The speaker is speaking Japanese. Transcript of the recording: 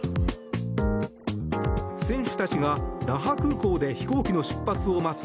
選手たちが那覇空港で飛行機の出発を待つ